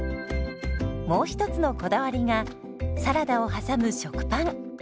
もう一つのこだわりがサラダを挟む食パン。